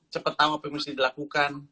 cepet tau apa yang harus dilakukan